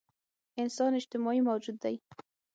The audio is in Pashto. انسان اجتماعي موجود دی.